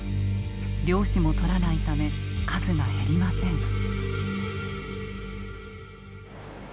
漁師も取らないため数が減りません。